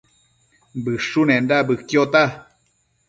Bëshunenda bëquiota